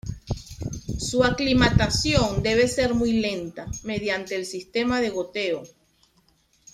Su aclimatación debe ser muy lenta, mediante el sistema de goteo.